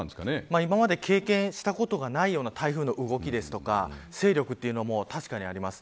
今まで経験したことがないような台風の動きですとか勢力というのも確かにあります。